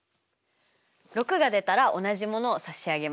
６が出たら同じものを差し上げますよ。